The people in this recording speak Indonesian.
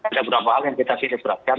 ada beberapa hal yang kita silapkan